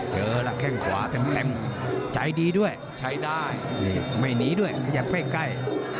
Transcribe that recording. เจอแล้วแข้งขวาเต็มใจดีด้วยใช้ได้ไม่หนีด้วยขยับใกล้